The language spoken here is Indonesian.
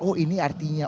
oh ini artinya